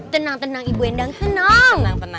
tenang tenang ibu endang tenang